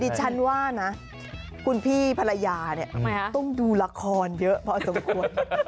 ดิฉันว่านะคุณพี่ภรรยาต้องดูละครเยอะเพราะสมควร